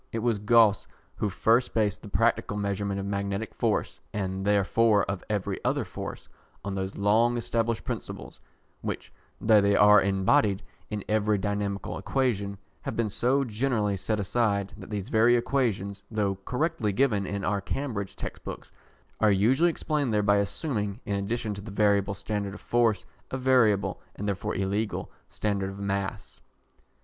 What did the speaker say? It was Gauss who first based the practical measurement of magnetic force (and therefore of every other force) on those long established principles, which, though they are embodied in every dynamical equation, have been so generally set aside, that these very equations, though correctly given in our Cambridge textbooks, are usually explained there by assuming, in addition to the variable standard of force, a variable, and therefore illegal, standard of mass.